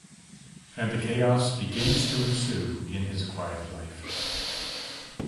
And the chaos begins to ensue in his quiet life.